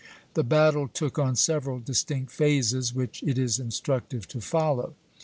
The battle took on several distinct phases, which it is instructive to follow. M.